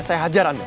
saya hajar anda